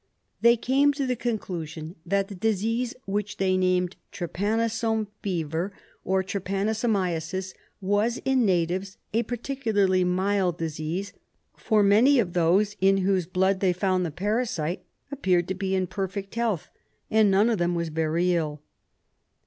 They came to the conclusion that the disease, which they named trypanosome fever, or trypanosomiasis, was in natives a particularly mild disease, for many of those in whose blood they found the parasite appeared to be in perfect health, and none of them were very ill.